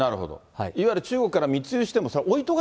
いわゆる中国から密輸しても、そうです。